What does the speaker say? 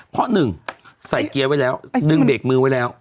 เพราะหนึ่งใส่เกียร์ไว้แล้วดึงเบรกมือไว้แล้ว